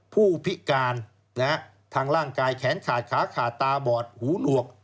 ผู้พิการทางร่างกายแขนขาดขาขาดตาบอดหูหนวก